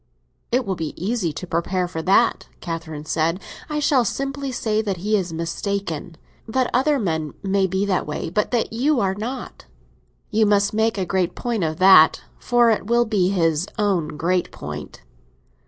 "It will be easy to be prepared for that," Catherine said. "I shall simply say that he is mistaken—that other men may be that way, but that you are not." "You must make a great point of that, for it will be his own great point."